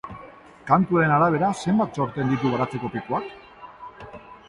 Kantuaren arabera, zenbat txorten ditu baratzeko pikuak?